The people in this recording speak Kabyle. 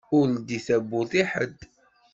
Ur leddi tawwurt i ḥedd!